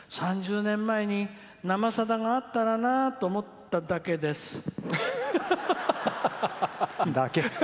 「３０年前に「生さだ」があったらなと思っただけです」。